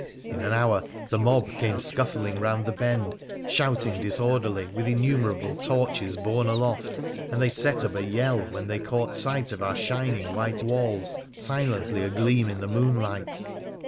In an hour the mob came scuffling round the bend, shouting disorderly, with in numerable torches borne aloft, and they set up a yell when they caught sight of our shining white walls silently agleam in the moonlight.